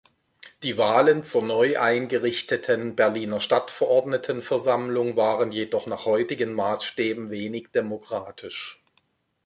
Die Wahlen zur neu eingerichteten Berliner Stadtverordnetenversammlung waren jedoch nach heutigen Maßstäben wenig demokratisch.